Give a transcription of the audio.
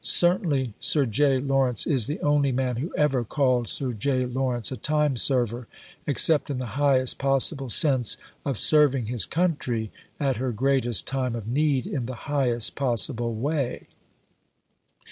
Certainly Sir J. Lawrence is the only man who ever called Sir J. Lawrence a time server, except in the highest possible sense, of serving his country at her greatest time of need in the highest possible way."